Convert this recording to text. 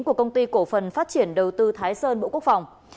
của công ty cổ phần phát triển đầu tư thái sơn bộ quốc phòng